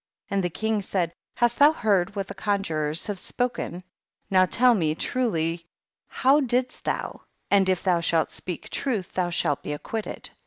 12. And the king said, hast thou heard what the conjurors have spo ken ? Now tell me truly, how didst thou ; and if thou shah speak truth thou shalt be acquitted.